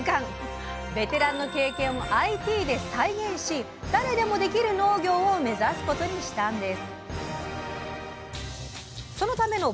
ベテランの経験をＩＴで再現し誰でもできる農業を目指すことにしたんです！